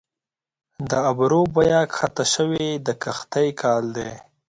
د ابرو بیه کښته شوې د قحطۍ کال دي